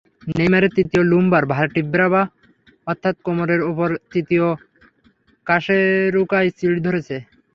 নেইমারের তৃতীয় lumbar vertebra অর্থাৎ কোমরের ওপরের তৃতীয় কশেরুকায় চিড় ধরেছে।